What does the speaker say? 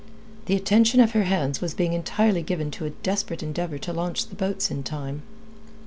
The attention of her hands was being entirely given to a desperate endeavour to launch the boats in time.